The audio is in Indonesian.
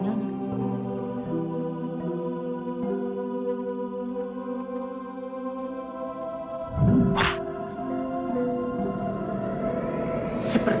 gue pernah menjaga mereka